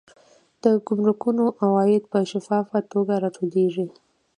د ګمرکونو عواید په شفافه توګه راټولیږي.